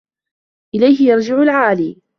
إلَيْهِ يَرْجِعُ الْعَالِي